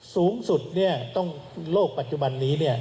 สูงสุดต้องโลกปัจจุบันนี้